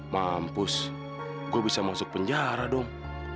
mampus gue bisa masuk penjara dong